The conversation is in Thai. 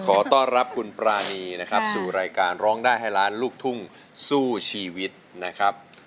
ขอต้อนรับคุณปรานีนะครับสู่รายการร้องได้ให้ล้านลูกทุ่งสู้ชีวิตนะครับ